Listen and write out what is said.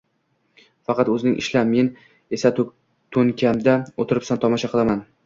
Faqat o’zing ishla, men esa to’nkamda o’tirib tomosha qilaman